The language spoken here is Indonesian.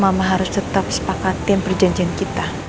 mama harus tetap sepakatkan perjanjian kita